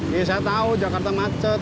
ya saya tau jakarta macet